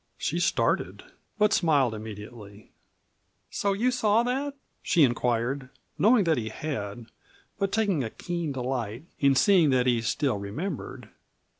She started, but smiled immediately. "So you saw that?" she inquired, knowing that he had, but taking a keen delight in seeing that he still remembered.